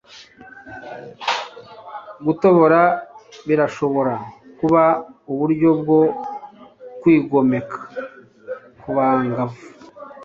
Gutobora birashobora kuba uburyo bwo kwigomeka kubangavu.